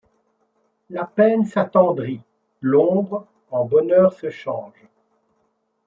La peine s’attendrit l’ombre en bonheur se change ;